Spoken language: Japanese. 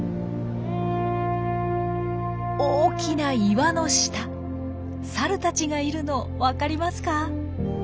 大きな岩の下サルたちがいるのわかりますか？